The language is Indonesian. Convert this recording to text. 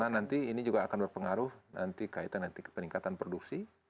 karena nanti ini juga akan berpengaruh nanti kaitan nanti ke peningkatan produksi